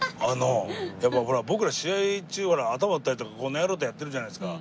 やっぱほら僕ら試合中頭打ったりとか「この野郎！」ってやってるじゃないですか。